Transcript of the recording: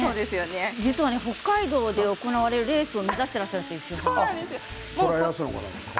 実は北海道で行われるレースを目指してトライアスロンですか？